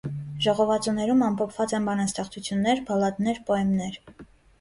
Ժողովածուներում ամփոփված են բանաստեղծություններ, բալլադներ, պոեմներ։